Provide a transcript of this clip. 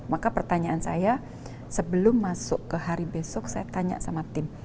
maka pertanyaan saya sebelum masuk ke hari besok saya tanya sama tim